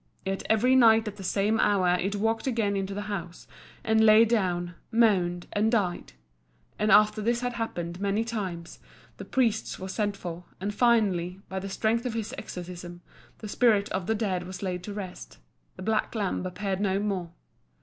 Yet every night at the same hour it walked again into the house, and lay down, moaned, and died; and after this had happened many times, the priest was sent for, and finally, by the strength of his exorcism, the spirit of the dead was laid to rest; the black lamb appeared no more.